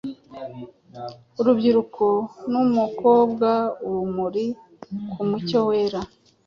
Urubyiruko numukobwa urumuri, Kumucyo wera,